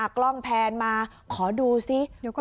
กล้องแพนมาขอดูซิ